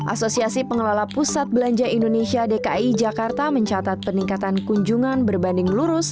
asosiasi pengelola pusat belanja indonesia dki jakarta mencatat peningkatan kunjungan berbanding lurus